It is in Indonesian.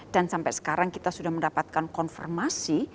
dan sampai sekarang kita sudah mendapatkan konfirmasi